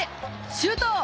シュート！